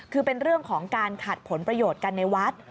คือเป็นเรื่องของการขัดผลประโยชน์กันในวัด